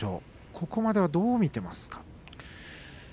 ここまではどう見ていますか。